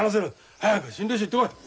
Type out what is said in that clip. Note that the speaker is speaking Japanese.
早く診療所行ってこい。